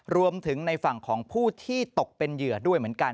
รวมถึงในฝั่งของผู้ที่ตกเป็นเหยื่อด้วยเหมือนกัน